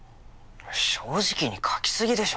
正直に書き過ぎでしょ